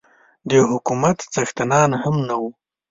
د حکومت څښتنان هم نه وو.